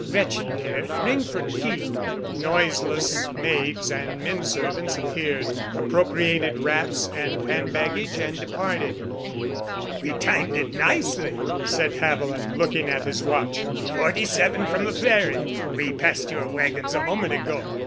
Gretchen, dear, ring for tea." Noiseless maids and men servants appeared, appropriated wraps and hand baggage, and departed. "We timed it nicely," said Haviland, looking at his watch. "Forty seven from the ferry. We passed your wagons a moment ago.